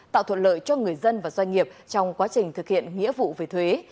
tạo thuận lợi cho người dân và doanh nghiệp trong quá trình thực hiện nghĩa vụ về thuế